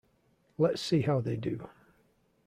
Let's see how they do.